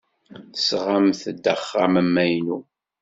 Tesɣamt-d axxam amaynu.